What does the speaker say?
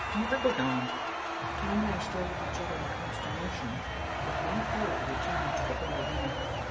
Niver go down." Tom and I stared at each other in consternation. With one accord we turned to the boy again.